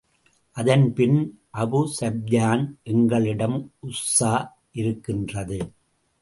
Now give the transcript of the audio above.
அதன்பின் அபூஸூப்யான், எங்களிடம் உஸ்ஸா இருக்கின்றது.